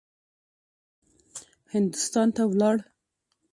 هندوستان ته ولاړ.